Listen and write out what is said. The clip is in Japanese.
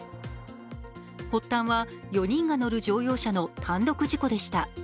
発端は４人が乗る乗用車の単独事故でした。